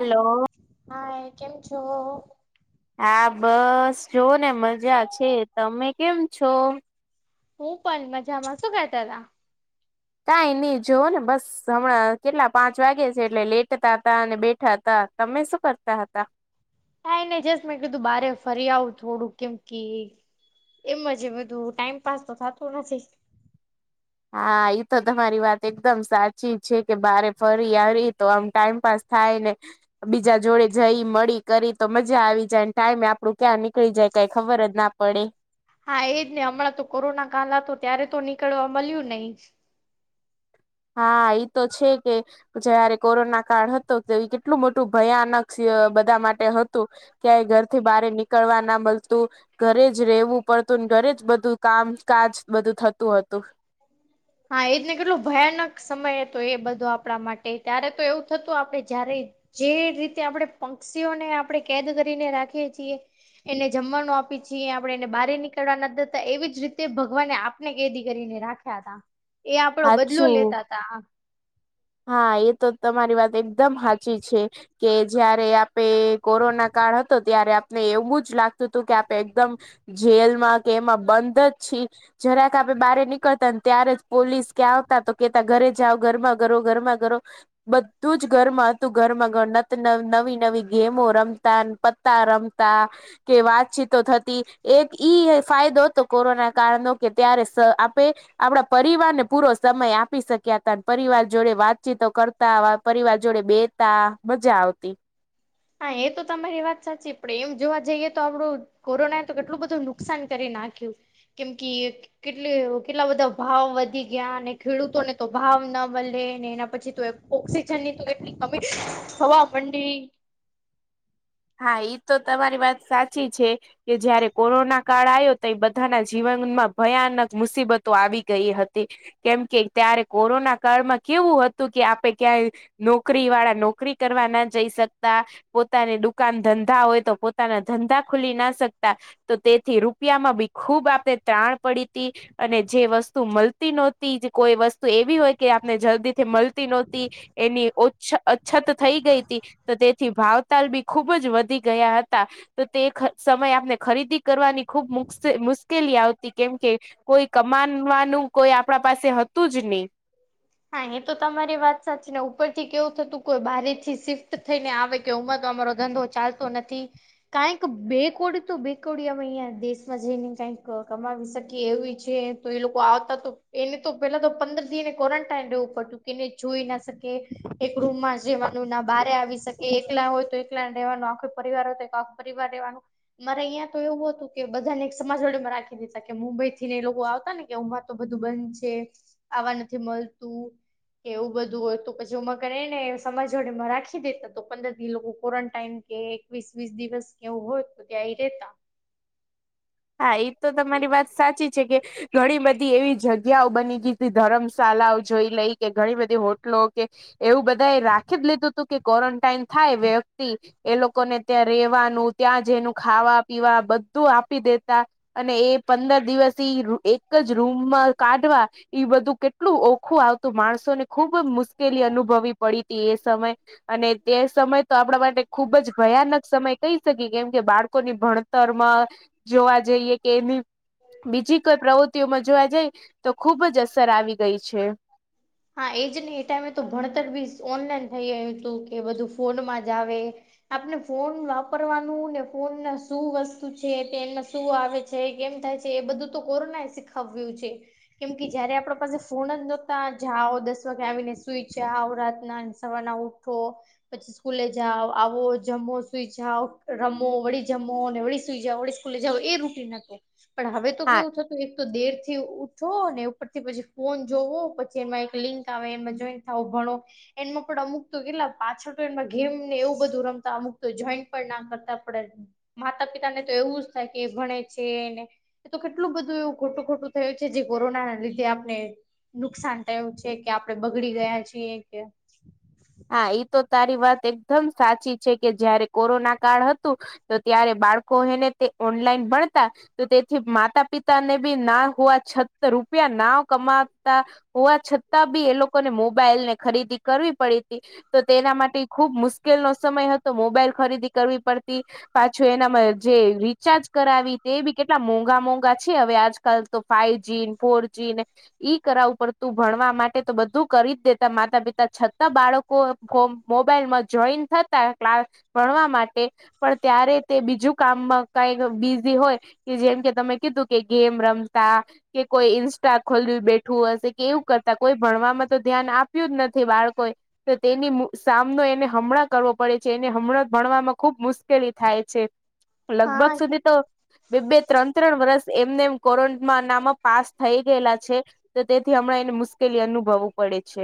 Hello hi કેમ છો? આ બસ જુવો ને મજા છે, તમે કેમ છો? હું પન મજામાં શું કરતા તા? કાંઈ નઈ જુવો ને બસ. સમય કેટલા પાંચ વાગે છે એટલે લેટતા તા અને બેઠા તા તમે શું કરતા હતા? કાંઈ નઈ જસ્ટ મેં કીધું બારે ફરી આવું થોડું કેમ કિ એમજ બધું ટાઈમપાસ તો થાતુ નથી. હા ઈ તો તમારી વાત એકદમ સાચી છે કે બારે ફરી આવી તો આમ ટાઈમ પાસ થાય ને બીજા જોડે જઈ મળી કરી તો મજા આવી જાય ટાઈમે આપડું ક્યાં નીકળી જાય. કઈ ખબર જ ના પડે. હા એજ ને અમણાં તો કોરોના કાલ અતો ત્યારે તો નીકળવા મળ્યું નહી. હા ઈ તો છે કે જયારે કોરોના કાળ હતો ત્યારે કેટલું મોટું ભયાનક સ બધા માટે હત તુ ક્યાય ઘર થી બારે નીકળવા ના મલતું. ઘરે જ રેવું પડતું ને ઘરે જ બધું કામ કાજ બધુ થતુ હતુ. હા એ જ ને કેટલો ભયાનક સમય હતો એ બધો આપણા માટે ત્યારે તો એવું થતું આપડે જ્યારે જે રીતે આપણે પપક્ષીઓને આપણે કેદ કરીને રાખીએ છીએ. એને જમવાનું આપી છીએ આપડે એને બહારે નીકળવા નથ દેતા એવી જ રીતે ભગવાને આપને કેદી કરીને રાખ થાતા એ આપડો બદલો હાચું લેતા તા હા એ તો તમારી વાત એકદમ હાચી છે કે જયારે આપ પે કોરોના કાળ હતો ત્યારે આપને એવું જ લાગતું હતું કે આપે એકદમ જેલમાં કે એમાં બંધ જ છી જરાક આપે બારે નીકળતા ત્યારે જ પોલીસ ક્યાં આવતા તો કેતા ઘરે જાઓ ઘરમાં કરો ગરમા કરો બધું જ ઘરમાં હતું ઘરમાં ઘ નત નવી નવી ગેમો રમતા ન પત્તા રમ તા કે વાતચીતો થતી એક ઈયે ફાયદો હતો કોરોના કાળનો કે ત્યારે સ આપે આપડા પરિવારને પૂરો સમય આપી શક્યા તા ન પરિવાર જોડે વાતચીતો કરતા, વા પરિવાર જોડે બેતા, મજા આવતી. હાં એ તો તમારી એ વાત સાચી પણ એમ જોવા જઈએ તો આપડું કોરોના એ તો કેટલું બધું નુકસાન કરી નાખ્યું કેમ કી કેટલી કેટલો બધા ભાવ વધી ગયા ને ખેડૂતોને તો ભાવ ન મલે ને એના પછી તો ઓક્સિજનની તો કેટલી કમી થવા મંડી. હા ઈ તો તમારી વાત સાચી છે. કે જયારે કોરોના કાળ આયો તઈ બધાના જીવનમાં ભયાનક મુસીબતો આવી ગઈ હતી. કેમ કે ત્યારે કોરોના કાળમાં કેવું હતું કે આપે ક્યાંય. નોકરી વાળા નોકરી કરવા ના જઈ શકતા પોતાને દુક દુકાન ધંધા હોય તો પોતાના ધંધા ખુલી ના શકતા. તો તેથી રૂપિયામાં બી ખુબ આપણે ત્રાણ પડી તી. અને જે વસ્તુ મળતી નોતી કોઈ વસ્તુ એવી હોય કે આપને જલ્દી થી મળતી નોતી. એની ઓછ અછત થઈ ગઈ તી તો તેથી ભાવતાલ બી ખુબ જ વધી ગયા હતા. તો તે સમય આપને ખરીદી કરવાની ખૂબ મુસ મુશ્કેલી આવતી કેમકે કોઈ કમાનવાનું કોઈ આપણા પાસે હતું જ ની. હા એ તો તમારી વાત સાચી ને ઉપર થી કેવું થતું કોઈ બારી થી શિફ્ટ થઈ ને આવે કે ઉમાંક અમારો ધંધો ચાલતો નથી. કાઈક બે કોડી તો બે કોડી અવે અહીંયા દેશમાં જઈને કઈક કમાવી શકીએ એવી છે. તો એ લોકો આવતા તો એને તો પેલા તો પંદર દિ ક્વોરન્ટાઈઇન રેવું પડતું, કે ના જોઈ ના શકે એક રૂમ માં જ રેવાનું ના બારે આવી શક એ એકલા હોય તો, એકલા રહેેવાનું આખો પરિવાર હોય તો આખો પરિવાર રહેેવાનું. મારે અહીંયા તો એવું હતું કે બધાને એક સમાજ વાડી માં રાખી દેતા કે મુંબઈ થી ને એ લોકો આવતા ને કે તો બધું બંધ છે. આવા નથી મળતું. કે એવું બધું હોય, તો પછીમાં કર ને સમાજ જોવા મરાઠી દેતા તો પંદર દી એ લોકો ક્વોરન્ટાઈન કે એકવીસ, વીસ દિવસ એવું હોય તો ત્યાંય રેતા. હા ઈ તો તમારી વાત સાચી છે કે ઘણી બધી એવી જગ્યાઓ બની ગઈ તી. ધર્મશાળઓ જોઈ લઈ કે ઘણી બધી હોટલો કે એવું બધા એ રાખી જ લીધું હતું કે કો્વોરન્ટાઈન થાય વ્યક્તિ એ લોકોને ત્યાં રેવાનું, ત્યાં ખાવા, પીવા બધું આપી દે રાખતા અને એ પંદર દિવસ એક જ રૂમમાં કાઢવા. ઈ બધું કેટલું ઓખું આવતું, માણસોને ખુબ મુશ્કેલી અનુભવી પડી તી એ સમયે. અને તે સમય તો આપણા માટે ખુબ જ ભયાનક સમય કહી શકીએ કેમ કે બાળકોની ભણત ભણતરમાં જોવા જઈએ કે એની બીજી કોઈ પ્રવૃત્તિઓમાં જોવા જાય તો ખુબ જ અસર આવી ગઈ છે. હા એજ ને એ ટાઈમે તો ભણતર બી ઓનલાઈન થઈ ગું હતું કે બધું ફોનમાં જ આવે. આપણે ફોન વાપરવાનું ને ફોન ના શું વસ્તુ છે. તે માં શું આવે. છે, કેમ થાય છે. એ બધું તો કોરોના આ શીખવ્યું છે. કેમ કે જયારે આપડા પાસે ફોન જ નોતા. જાવો, દસ વાગે આવીને સુઈ જવો. રાતના ને સવાર ના ઉઠો પછી સ્કૂલે જાઓ. આવો જમો, સુઈ જાઓ. રમો વળી જમો વળી સુઈ જાવ વળી. સ્કૂલે જાવ એ રૂટિન હતું. પણ હવે તો હા કેવું થતું. એક તો દેર થી ઉઠો ને ઉપરથી પછી ફોન જોવો પછ જે એમાં એક લિંક આવે એમાં જોઈન થાવો ભણો. એનમાં પણ અમુક તો કેટલા પાછળ તો એમાં ગેમ ને એવું. બધું રમતા અમુક તો જોઈન્ટ પણ ના કરતા પડે. માતા પિતા ને તો એવું, જ થાય કે એ ભણે છેને એ તો કેટલું બધું એવું ખોટું ખોટું થયું છે. જે કોરોના ના લીધે આપને નુકસાન એમ છે કે આપણે બગડી ગયા છીએ કે હા ઈ તો તારી વાત એકદમ સાચી છે કે જયારે કોરોના કાળ હતું. તો ત્યારે બાળકો હેને તે ઓનલાઈન ભણતા. તો તેથી માતા પિતાને બી ના હોવા, છતર રૂપિયા ના કમાતા. હોવા છતાં બી એ લોકોને મોબાઈલ ને ખરીદી કરવી પડી. તો તેના માટે ખુબ મુશ્કેલ નો સમય હતો મોબાઈલ ખરીદી કરવી પડતી. પાછું એનામાં જે રિચાર્જ કરાવી. તે બી કેટલા મોંઘા મોંઘા છે હવે આજકાલ. તો ફાઈવ જી ફોર જી ને ઈ કરાવ પડતું ભણવા માટે તો બધું કરીજ દેતા માતા પિતા છતાં બાળક કો કોમ મોબાઈલમાં જોઈને થતા ક્લાસ ભણવા માટે પણ ત્યારે તે બીજું કામમાં કાઈ બિઝી હોય કે જેમ કે તમે કીધું કે ગેમ રમતા કે કોઈ ઈન્સ્ટા ખોલ બેઠું હશે. કે એવું કરતા કોઈ ભણવામાં તો ધ્યાન આપ્યું જ નથી બાળકો એ. તો તેની મુ સામનો એને હમણાં કરવો પડે છે. એને હમણાં ભણવામાં ખુબ મુશ્કેલી થાય છે. હા લગભગ સુધી તો બે બે ત્રણ ત્રણ વર્ષ એમને એમ કોરોમા નામાં પાસ થઈ ગયેલા છે. તો તેથી હમણાં એને મુશ્કેલી અનુભવવું પડે છે.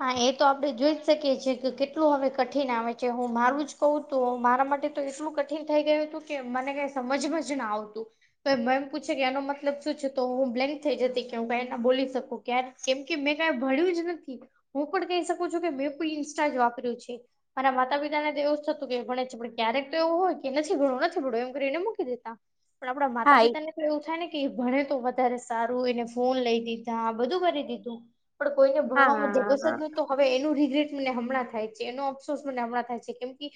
હા એ તો આપડે જોઈ જ શકીએ છે કે કેટલું હવે કઠિન આવે છે. હું મારું જ કહું તો મારા માટે તો એટલું કઠિન થઈ ગયું હતું કે મને કઈ સમજમાં જ ના આવતું કોઈ મેમ પૂછે કે એનો મતલબ શું છે તો હું બ્લેન્ક થઈ જતી કે હું કઈ ના બોલી શકું ક્યાર કેમ કે મેં કઈ ભણ્યું જ નથી હું પણ કહી શકું છું કે મેં પણ ઇન્સ્ટા જ વાપર્યું છે. મારા માતા ને તો એવું જ થતું કે ભણે છે ભણે છે પણ ક્યારેક તો એવું હોય, કે નથી ભણવું નથી ભણવું એમ કરીને મૂકી દેતા. પણ આપડા માતા હા પિતા ને તો એવું થાય ને કે ભણે તો વધારે સારું એને ફોન લઈ દીધા બધું કરી દીધું પણ કોઈને હા ભણવામાં જગસ હા નોતું. હવે એનું રિગ્રેટ મને હમણાં થાય છે, એનો અફસોસ મને હમણાં થાય છે, કેમ કે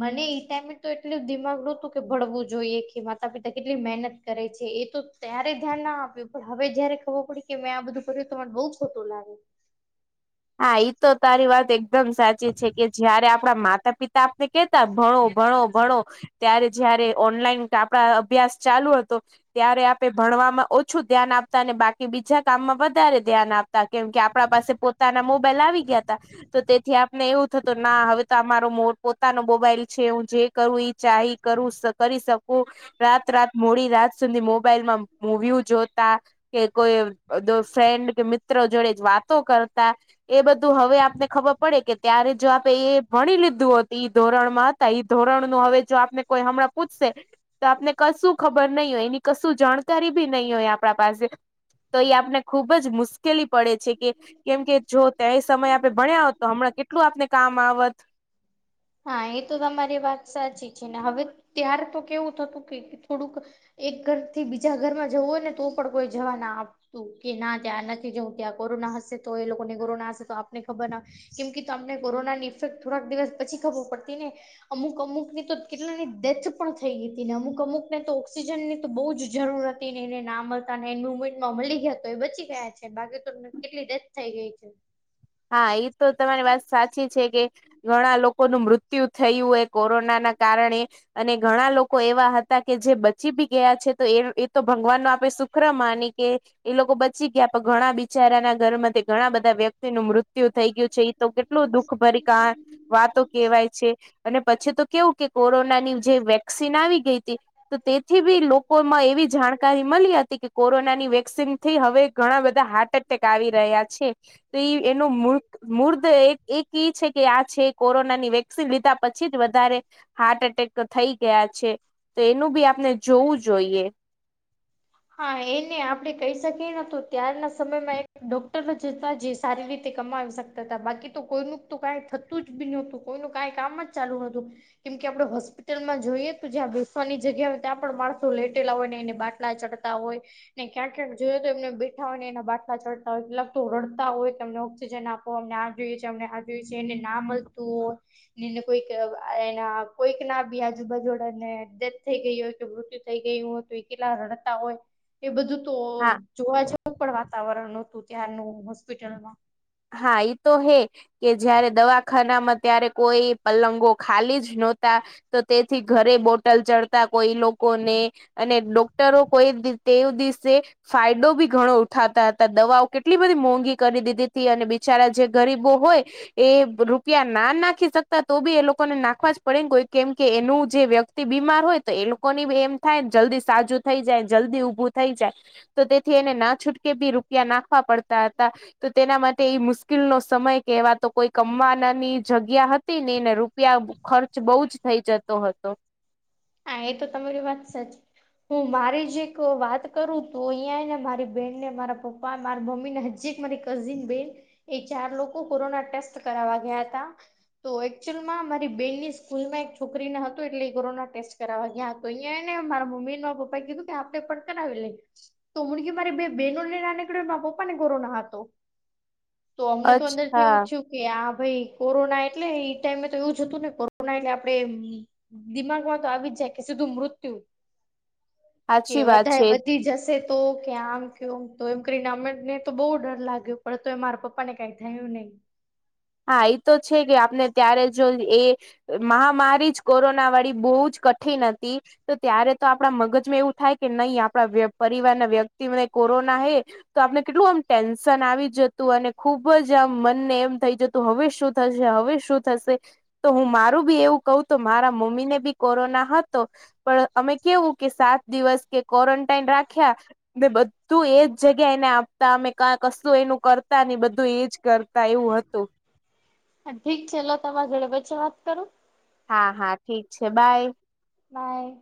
મને એ ટાઈમે તો એટલું દિમાગ નોતું કે ભણવું જોઈએ કે માતા પિતા કેટલી મહેનત કરે છે, એ તો ત્યારે ધ્યાનના આપ્યું પણ હવે જયારે ખબર પડી કે મેં આ બધું કર્યું તો આજ બહુજ સોટું લાગુ. હા ઈતો તારી વાત એકદમ સાચી છે, કે જયારે આપડા માતા પિતા કે કેતા ભણો, ભણો, ભણો ત્યારે જયારે ઓનલાઈન આપડા અભ્યાસ ચાલુ હતો ત્યારે આપે ભણવામાં ઓછું ધ્યાન આપતા અને બાકી બીજા કામમાં વધારે ધ્યાન આપ તા કેમ કે, આપડા પાસે પોતાના મોબાઈલ આવી ગયા તા તો તેથી આપને એવું થતું ના હવે તો આ મારો પોતાનો મોબાઈલ છે, હું જે કરું ઈ ચાઈ કરું શ કરી શકું રાત રાત મોડી રાત સુધી મોબાઈલમાં મુવીઊં જોતા કે કોઈ દ ફ્રેન્ડ કે મિત્ર જોડે જ વાતો કર તા એ બધું હવે આપને ખબર પડે ત્યારે જો આપે એ ભણી લીધું હતું હતા એ ધોરણ નું હવે જો આપને કોઈ હમણાં પૂછશે તો આપને કશું ખબર નહીં હોય એની કશું જાણકારી બી નહીં હોય આપડા પાસે તો ઈ આપને ખુબ જ મુશ્ કેલી પડે છે, કે કેમ કે જો ત્યાંય સમય આપે ભણ્યા હોત તો હમણાં કેટલું આપને કામ આવત. હા એતો તમારી વાત સાચી છે, ને હવે ત્યાર તો કેવું થતું કે થોડુંક એક ઘર થી બીજા ઘરમાં જવું હોય ને તો પણ કોઈ જવા ના આપ તું કે ના ત્યાં નથી જઉ ત્યાં કોરોના હશે તો એ લોકોને કોરોના હશે તો આપને ખબર ના કેમ કે તમને કોરોનાની ઇફેક્ટ થોડાક દિવસ પછી ખબર પડતી ને અમુક અમુક નીતો કેટલાની ડેથ પણ થઈ ગઈ હતી ને અમુક અમુક ને તો ઓક્સિજનની તો બહુ જ જરૂરત તે એને ના મળતા ને એન્ડ મુમેન્ટ માં એ મલી ગયા તો એ બચી ગયા છે, બાકી તો એમને કેટલી ડેથ થઇ ગઈ છે. હા, ઈ તો તમારી વાત સાચી છે કે ઘણા લોકોનું મૃત્યુ થયું હોય કોરોના ના કારણે અને ઘણા લોકો એવા હતા કે જે બચી ભી ગયા છે, તો એ એતો ભગવાન ન આપે સુખ, ખરા માની કે એ લોકો બચી ગયા પણ ઘણા બિચારાના ઘર માં તે ઘણા બધા વ્યક્તિનું મૃત્યુ, મૃત્યુ થઈ ગયું છે, એ તો કેટલું દુખ ભરી કા. વાતો કેવાય છે, અને પછી તો કેવું કે કોરોનાની, જે વેક્સિન આવી ગઈ હતી તો તેથી ભી લોકોમાં એવી જાણકારી મળી હતી કે, કોરોનાની વેક્સિનથી હવે ઘણા બધા હાર્ટ એટેક આવી રહ્યા છે, એનો મૂર્ખ, મૂર્ધ એક એક એ છે, કે આ છે કોરોનાની વેક્સિન લીધા પછી જ વધારે હાર્ટ એટેક થઈ ગયા છે, તો એનું ભી આપણે જોવું જોઈએ. હા એને આપડે કહી શકીએ નતો ત્યારના સમયમાં એક ડોક્ટર, જતા જે સારી રીતે કમાવી શકતા હતા બાકી તો કોઈનું તો કાંઈ થતું જ ભી નહોતું કોઈનું કાંઈ કામ જ, ચાલુ નોહતું, કેમ કે આપણેે હોસ્પિટલમાં જોઈએ તો જ્યાં બેસવાની જગ્યા હોય ત્યાં પણ માણસો લેટેલા હોય ને એને બાદ, બાટલા ચડતા હોય, ને ક્યાં ક્યાંક જોય તો એમને બેઠા હોય એના બાટલા ચડતા હોય કેટલાક તો રડતા હોય તો એમને ઓક્સિજન આપ. અમને આ છે, અમને આયું છે, એને ના મળતું હોય. એને કોઈક એના કોઈક ના ભી આજુબાજુડા ને ડેથ થઈ ગઈ હોય, કે મૃત્યુ થઈ ગયું હોય તો એ કેટલા રડતા હોય એ બધું તો હા જોવા જ, હું પણ વાતાવરણ હતું ત્યારનું હોસ્પિટલમાં, હા ઈ તો હે કે જયારે દવા ખ ખાનામાં ત્યારે કોઈ પલંગો ખાલી જ નોતા. તો તેથી ઘરે બોટલ ચડતા કોઈ લોકોને અને ડોક્ટરો કોઈ દી તેવ દિવસે ફાયદો બી ઘણો ઉઠાતા અતા દવાઓ કેટલી બધી મોંઘી કરી દીધી તી અને બિચારા જે ગરીબો હોય એ રૂપિયા ના નાખી શકતા તો બી એ લોકોને નાખવા જ પડે કોય કેમકે એનું જે વ્યક તી બીમાર હોય તો એ લોકોની બી એમ થાયને જલ્દી સાજું થઈ જાય જલ્દી ઊભું થઈ જાય તો તેથી એને ના છૂટકે બી રૂપિયા નાખવા પડતા અતા તેના માટે ઇ મુશ્કેલનો સમય કેહવાતો કોઈ કમવાનાની જગ્યા હતી ની ને રૂપિયા ખર્ચ બઉ જ થઈ જતો હતો. હા એ તો તમારી વાત સાચી હું મારી જ એક વાત કરું તો ઇયા ને મારી બેન ને મારા પપ પા માર મમ્મીને હજી એક મારી કઝિન બેન એ ચાર લોકો કોરોના ટેસ્ટ કરાવા ગયા તા તો એકચુઅલમાં મારી બેનની સ્કૂલમાં એક છોકરીને હતું એટલે એ કોરોના ટેસ્ટ કરાવવા ગયા તો અહિયાં ને મારા મમ્મ ને મા પપ્પા કીધું કે આપે પણ કરાવી લેઈ. તો મુડગી મારી બે બેહેનો ને ના નિકળી યુ મારા પપ્પા ને કોરોના હતો. તો અમને તો અંદરથી અચ્છા એવું થીયુ. કે આ ભાઈ કોરોના એટલે એ ટાઈમે તો એવું જ હતું ને કોરોના એટલે આપડે દિમાગમાં તો આવી જ કે સીધું મૃત્યુ. કે સાચી વાત વધારે છે વધી જશે તોકે આમ કયોમ તો એમ કરીને અમને તો બઉ ડર લાગ્યો પણ તો એ મારા પપ્પા ને કઈક થયું નઈ હા ઈ તો છે કે આપને ત્યારે જો એ મહામારી જ કોરોના વાળી બઊ જ કઠિન અતી તો ત્યારે તો આપડા મગજમાં એવું થાય કે નઇ આપણા પરિવાર ના વ્યક્તિને કોરોના હે. તો આપને કેટલું આમ ટેન્શન આવી જતું અને ખુબ જ આમ મનને એમ થઈ જતું તો હવે શું થશે હવે શું થશે. તો હું મારું બી એવું કઉ તો મારા મમ્મી ને બી કોરોના હતો. પણ અમે કેવું કે સાત દિવસ કે કોરન ટાઈન રાખ્યા, ને બધું એજ જગ્યા એને આપ તા અમે કા કશું એનું કરતા ની બધું એજ કરતા એવું હતું. ઠીક છે લો તમારે જોડે વચ્ચે વાત કરો? હા હા ઠીક છે બાય. બાય.